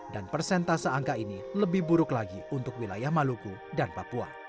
dan persentase angka ini lebih buruk lagi untuk wilayah maluku dan papua